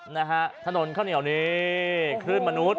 นะฮะถนนข้าวเหนียวนี้คลื่นมนุษย